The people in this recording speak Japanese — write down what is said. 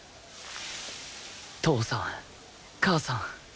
父さん母さん